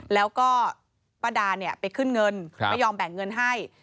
แล้วก็ป้าดาไปขึ้นเงินไม่ยอมแบ่งเงินให้